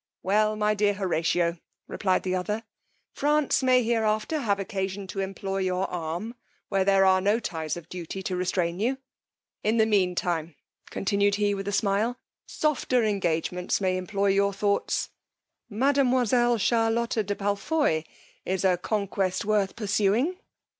Well, my dear Horatio, replied the other, France may hereafter have occasion to employ your arm where there are no ties of duty to restrain you: in the mean time, continued he with a smile, softer engagements may employ your thoughts; mademoiselle Charlotta de Palfoy is a conquest worth pursuing.